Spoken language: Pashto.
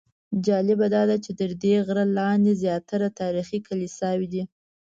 جالبه داده چې تر دې غره لاندې زیاتره تاریخي کلیساوې دي.